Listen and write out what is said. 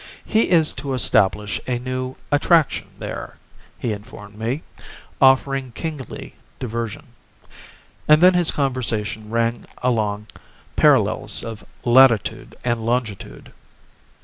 He is to establish a new "attraction" there, he informed me, offering kingly diversion. And then his conversation rang along parallels of latitude and longitude.